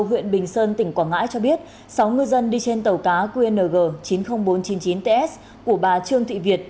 huyện bình sơn tỉnh quảng ngãi cho biết sáu ngư dân đi trên tàu cá qng chín mươi nghìn bốn trăm chín mươi chín ts của bà trương thị việt